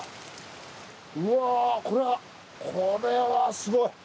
うわこれはこれはすごい！